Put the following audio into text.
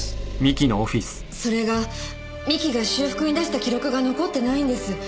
それが三木が修復に出した記録が残ってないんです。